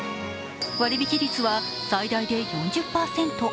割引率は最大で４０％。